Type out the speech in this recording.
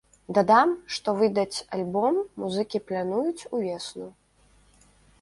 Дадам, што выдаць альбом музыкі плануюць увесну.